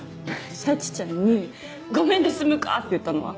沙智ちゃんに「ごめんで済むか！」って言ったのは？